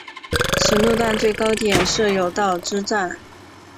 此路段最高点设有道之站。